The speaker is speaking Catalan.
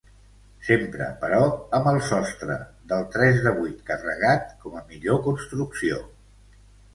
Sempre, però, amb el sostre del tres de vuit carregat com a millor construcció.